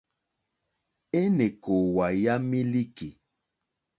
Èné kòòwà yà mílíkì.